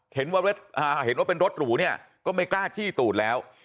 เห็นว่าเห็นว่าเป็นรถหรูเนี่ยก็ไม่กล้าจี้ตูดแล้ว